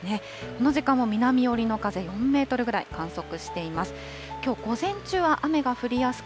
この時間も南寄りの風４メートルぐらい観測しています。